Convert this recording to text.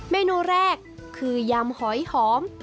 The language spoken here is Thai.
เมนูแรกคือยำหอยหอม